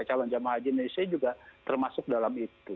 calon jemaah haji indonesia juga termasuk dalam itu